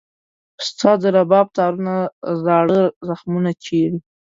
ستا د رباب تارونه زاړه زخمونه چېړي.